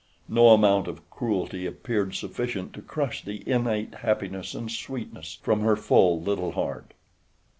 No amount of cruelty appeared sufficient to crush the innate happiness and sweetness from her full little heart.